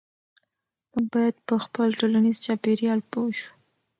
موږ باید په خپل ټولنیز چاپیریال پوه شو.